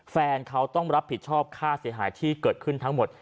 แฟนเขาต้องรับผิดชอบค่าเสียหายที่เกิดขึ้นทั้งหมด